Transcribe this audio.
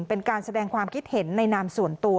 เป็นการแสดงความคิดเห็นในนามส่วนตัว